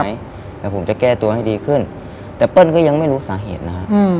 เดี๋ยวผมจะแก้ตัวให้ดีขึ้นแต่เปิ้ลก็ยังไม่รู้สาเหตุนะฮะ